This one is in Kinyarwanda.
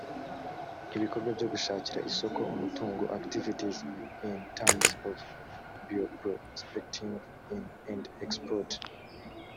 ibikorwa byo gushakira isoko umutungo activities in terms of bioprospecting in and export